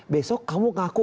besok kamu ngaku